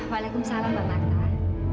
waalaikumsalam mbak marta